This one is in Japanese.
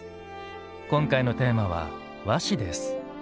今回のテーマは「和紙」です。